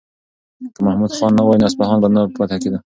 که محمود خان نه وای نو اصفهان به نه فتح کېدو.